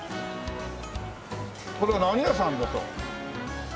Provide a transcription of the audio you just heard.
これは何屋さん？